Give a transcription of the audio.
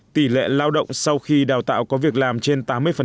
tỷ lệ lao động sau khi đào tạo có việc làm trên tám mươi